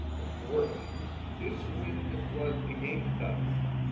Of course this wind was against us.